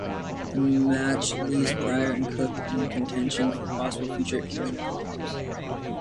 The match leaves Prior and Cook in contention for possible future England call-ups.